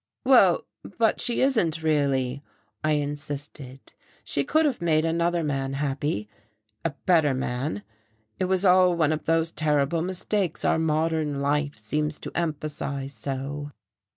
"Well, but she isn't really," I insisted. "She could have made another man happy a better man. It was all one of those terrible mistakes our modern life seems to emphasize so."